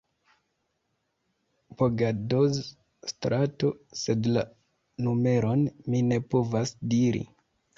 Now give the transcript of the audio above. Bogadoz-strato, sed la numeron mi ne povas diri.